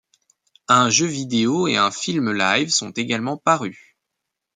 Un jeu vidéo et un film live sont également parus.